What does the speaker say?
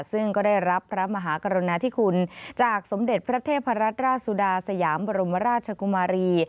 ซึ่งก็ได้รับพระมหากรุณาธิคุณจากสมเด็จพระเทพรัตนราชสุดาสยามบรมราชกุมารี